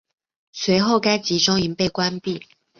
随后该集中营被关闭。